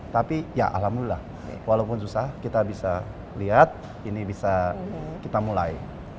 tapi ya alhamdulillah walaupun susah kita bisa lihat ini bisa kita mulai